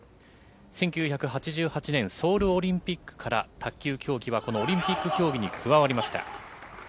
１９８８年、ソウルオリンピックから、卓球競技はこのオリンピック競技に加わりました。